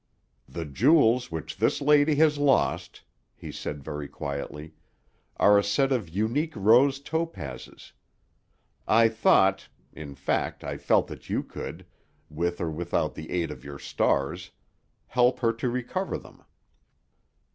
"The jewels which this lady has lost," he said very quietly, "are a set of unique rose topazes. I thought—in fact, I felt that you could, with or without the aid of your stars, help her to recover them."